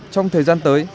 trong thời gian tới